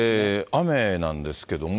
雨なんですけれども、